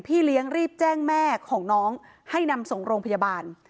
เลี้ยงรีบแจ้งแม่ของน้องให้นำส่งโรงพยาบาล